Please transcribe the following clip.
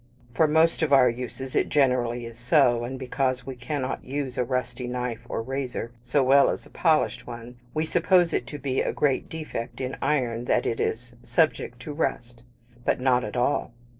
For most of our uses it generally is so; and because we cannot use a rusty knife or razor so well as a polished one, we suppose it to be a great defect in iron that it is subject to rust. But not at all.